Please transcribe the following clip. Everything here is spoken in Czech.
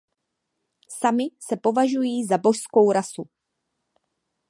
Sami se považují za božskou rasu.